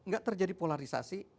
dan menjalani ungarisasi